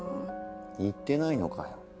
行ってないのかよ。